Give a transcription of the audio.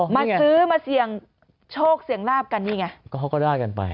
มาซื้อมาเชี่ยงโชคเสียงลาบกันอย่างนี้ไง